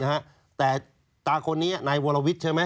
นะฮะแต่ตาคนนี้นายวรวิทย์ใช่ไหม